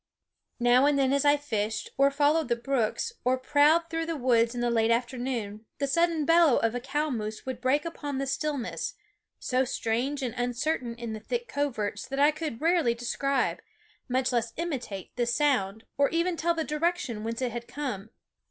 Now and then as I fished, or followed the brooks, or prowled through the woods in the late afternoon, the sudden bellow of a cow moose would break upon the stillness, so strange and uncertain in the thick coverts that I could rarely describe, much less imitate, the sound, or even tell the direction whence it had come.